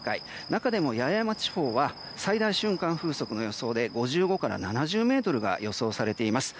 中でも八重山地方は最大瞬間風速の予想で５５から７０メートルが予想されています。